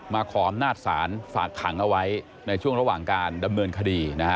มาคอมนาฏศาลฝากขังเอาไว้ในช่วงระหว่างการดำเนินคดี